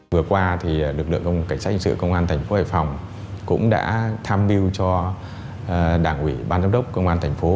vừa qua lực lượng cảnh sát hình sự công an thành phố hải phòng cũng đã tham mưu cho đảng ủy ban giám đốc công an thành phố